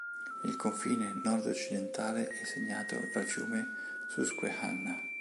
Il confine nord-occidentale è segnato dal fiume Susquehanna.